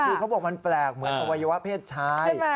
คือเขาบอกมันแปลกเหมือนอวัยวะเพศชาย